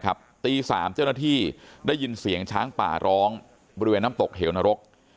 ตี๓เจ้าหน้าที่ได้ยินเสียงช้างป่าร้องบริเวณน้ำตกเหวนรก